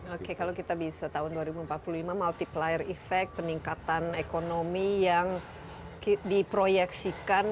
oke kalau kita bisa tahun dua ribu empat puluh lima multiplier effect peningkatan ekonomi yang diproyeksikan